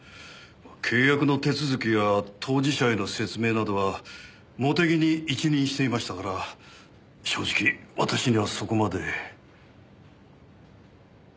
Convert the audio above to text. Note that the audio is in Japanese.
契約の手続きや当事者への説明などは茂手木に一任していましたから正直私にはそこまで。